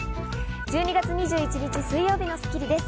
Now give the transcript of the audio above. １２月２１日、水曜日の『スッキリ』です。